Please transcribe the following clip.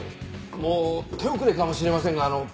もう手遅れかもしれませんが弁護士に。